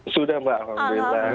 sudah mbak alhamdulillah